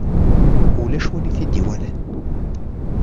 Ulac win i t-id-iwalan.